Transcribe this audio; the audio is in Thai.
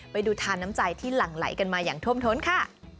ไปดูทานน้ำใจที่หลั่งไหลกันมาอย่างท่วมท้นค่ะ